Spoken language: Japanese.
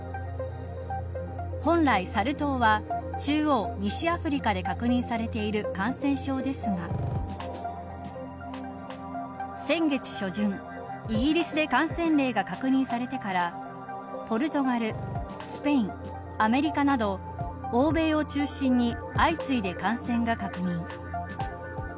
本来、サル痘は中央・西アフリカで確認されている感染症ですが先月初旬イギリスで感染例が確認されてからポルトガル、スペインアメリカなど欧米を中心に相次いで感染が確認。